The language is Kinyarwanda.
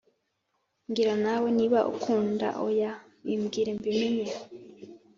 mbwira nawe niba unkunda oya bimbwire mbimenye